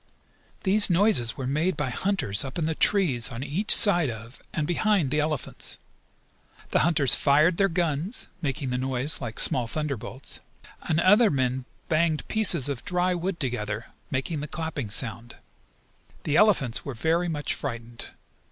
These noises were made by hunters up in the trees on each side of, and behind, the elephants. The hunters fired their guns, making the noise like small thunder bolts and other black men banged pieces of dry wood together, making the clapping sound. The elephants were very much frightened.